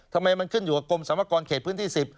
ทำไมมันขึ้นอยู่กับกรมสรรพากรเขตพื้นที่๑๐